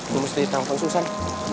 gue mesti ditangkap susan